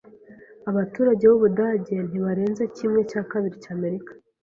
Abaturage b’Ubudage ntibarenze kimwe cya kabiri cy’Amerika.